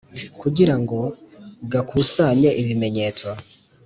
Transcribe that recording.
kugira ngo gakusanye ibimenyetso